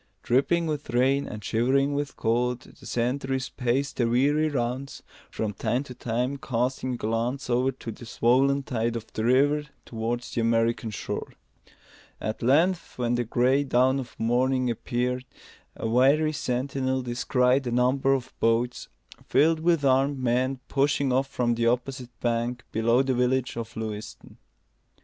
Dripping with rain and shivering with cold, the sentries paced their weary rounds, from time to time casting a glance over the swollen tide of the river towards the American shore. At length, when the gray dawn of morning appeared, a wary sentinel descried a number of boats, filled with armed men, pushing off from the opposite bank below the village of Lewiston.